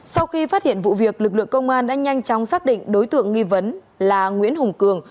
sau khi phát hiện vụ việc lực lượng công an đã nhanh chóng xác định đối tượng nghi vấn là nguyễn hùng cường